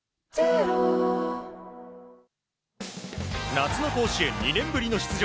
夏の甲子園、２年ぶりの出場